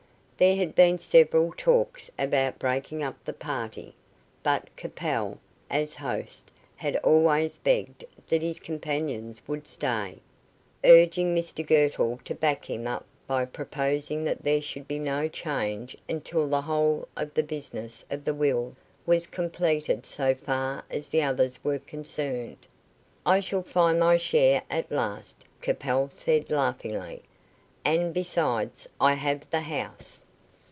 There had been several talks about breaking up the party, but Capel, as host, had always begged that his companions would stay, urging Mr Girtle to back him up by proposing that there should be no change until the whole of the business of the will was completed so far as the others were concerned. "I shall find my share at last," Capel said, laughingly. "And besides, I have the house."